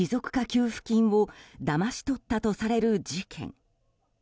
給付金をだまし取ったとされる事件。